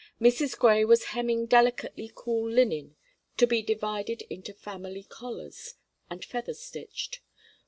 Mrs. Grey was hemming delicately cool linen to be divided into family collars, and feather stitched.